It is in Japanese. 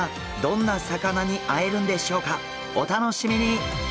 お楽しみに！